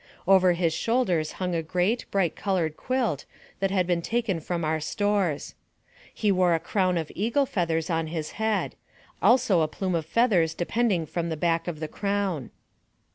Over his shoulders hung a great, bright colored quilt, that had been taken from our stores. He wore a crown of eagle feathers on his head ; also a plume of feathers depending from the back of the crown.